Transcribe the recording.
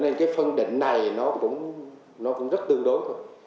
nên cái phân định này nó cũng rất tương đối thôi